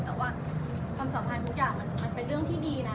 แต่ว่าความสัมพันธ์ทุกอย่างมันเป็นเรื่องที่ดีนะ